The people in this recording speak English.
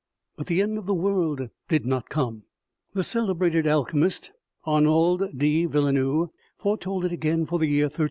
But the end of the world did not come. The celebrated alchemist, Arnauld de Villeneuve, fore told it again for the year 1335.